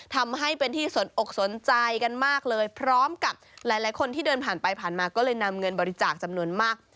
ทำให้เป็นที่สนอกสนใจกันมากเลยพร้อมกับหลายคนที่เดินผ่านไปผ่านมาก็เลยนำเงินบริจาคจำนวนมาก